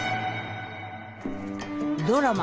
ドラマ